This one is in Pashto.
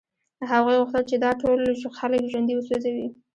هغوی غوښتل چې دا ټول خلک ژوندي وسوځوي